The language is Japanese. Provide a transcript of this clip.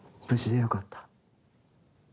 無事でよかった。